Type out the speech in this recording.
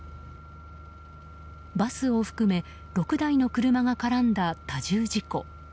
バスを含め、６台の車が絡んだ多重事故。